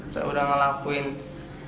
saya sudah melakukannya